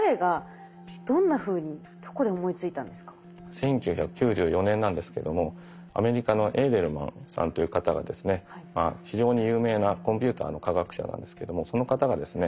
１９９４年なんですけどもアメリカのエーデルマンさんという方がですね非常に有名なコンピューターの科学者なんですけどもその方がですね